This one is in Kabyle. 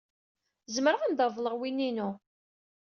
Zemreɣ ad am-reḍleɣ win-inu.